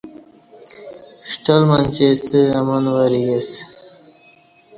ݜٹلہ منچی ستہ امان وریک اسہ